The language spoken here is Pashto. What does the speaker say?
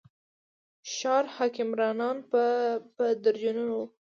ښار حکمرانان په درجنونو وو.